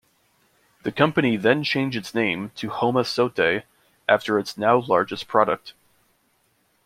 The company then changed its name to Homasote after its now largest product.